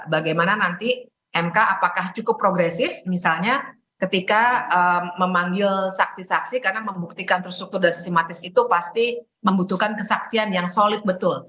bagaimana nanti mk apakah cukup progresif misalnya ketika memanggil saksi saksi karena membuktikan terstruktur dan sistematis itu pasti membutuhkan kesaksian yang solid betul